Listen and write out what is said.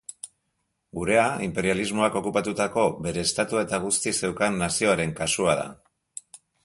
Gurea inperialismoak okupatutako bere estatua eta guzti zeukan nazioaren kasua da.